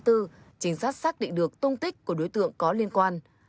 trinh sát xác định được tung tích của đối tượng có liên quan